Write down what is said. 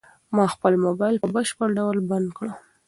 ما خپل موبايل په بشپړ ډول بند کړ.